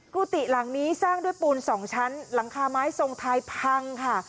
กุฏิหลังนี้สร้างด้วยปูน๒ชั้นหลังคาไม้ทรงไทยพังค่ะ